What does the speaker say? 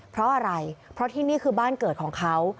เพราะอะไรเพราะที่นี่คือบ้านเกิดของเขา